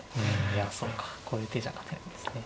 いやそうかこういう手じゃ勝てないんですね。